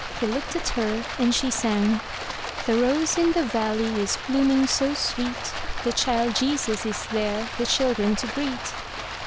He looked at her, and she sang: "The rose in the valley is blooming so sweet. The Child Jesus is there the children to greet."